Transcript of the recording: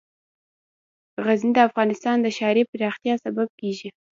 غزني د افغانستان د ښاري پراختیا سبب کېږي.